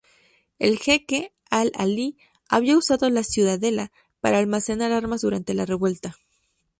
El jeque al-Ali había usado la ciudadela para almacenar armas durante la revuelta.